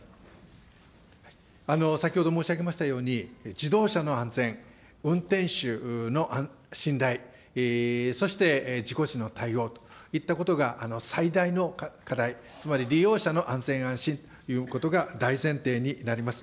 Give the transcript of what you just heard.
先ほど申し上げましたように、自動車の安全、運転手の信頼、そして、事故時の対応といったことが最大の課題、つまり利用者の安全安心ということが大前提になります。